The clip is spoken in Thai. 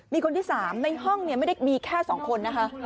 มีคนที่สามในห้องเนี่ยไม่ได้มีแค่สองคนนะคะ